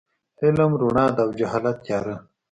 علم رڼا ده او جهالت تیاره.